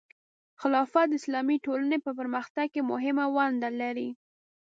خلافت د اسلامي ټولنې په پرمختګ کې مهمه ونډه لري.